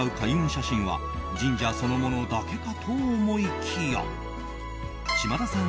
写真は神社そのものだけかと思いきや島田さん